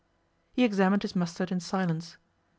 He examined his mustard in silence.